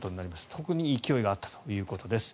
特に勢いがあったということです。